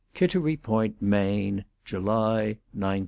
KITTERY POINT, MAINE, July, 1909.